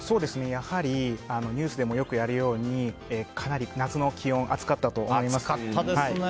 やはりニュースでもよくやるようにかなり夏の気温暑かったと思います。